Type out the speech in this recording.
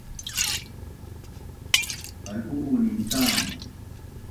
pal’u’unin cam!